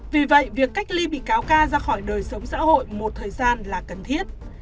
vì vậy việc cách ly bị cáo ca ra khỏi đời sống xã hội một thời gian là cần thiết